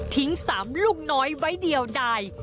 ทิ้ง๓ลูกน้อยไว้เดียวได้